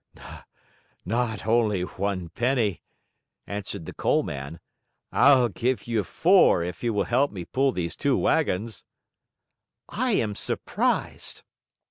"Not only one penny," answered the Coal Man. "I'll give you four if you will help me pull these two wagons." "I am surprised!"